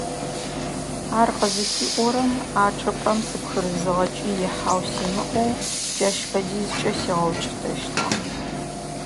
Ар къызысиӀорэм а чӀыпӀэм сыпхырызыгъэкӀи ихьау симыӀэу джащ фэдизкӀэ сигъэукӀытэщтыгъэ.